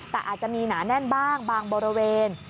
แต่อาจจะมีหนาแน่นบ้างบางบริเวณ